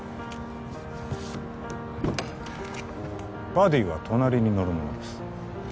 バディは隣に乗るものです